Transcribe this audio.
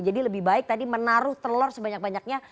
jadi lebih baik tadi menaruh telur sebanyak banyaknya